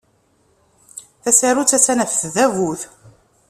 Tasarut attan ɣef tdabut.